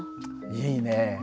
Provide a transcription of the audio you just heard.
いいね。